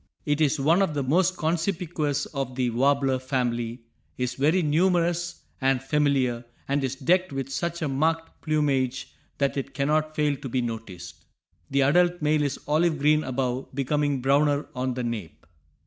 It is one of the most conspicuous of the warbler family, is very numerous and familiar, and is decked with such a marked plumage that it cannot fail to be noticed. The adult male is olive green above, becoming browner on the nape.